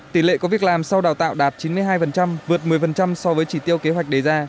tỷ lệ có việc làm sau đào tạo đạt chín mươi hai vượt một mươi so với chỉ tiêu kế hoạch đề ra